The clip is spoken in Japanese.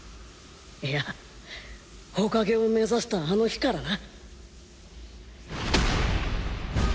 いや火影を目指したあの日からな。